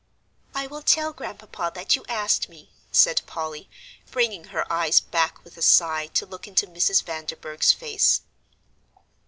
"I will tell Grandpapa that you asked me," said Polly, bringing her eyes back with a sigh to look into Mrs. Vanderburgh's face.